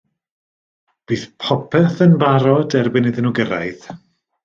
Bydd popeth yn barod erbyn iddyn nhw gyrraedd.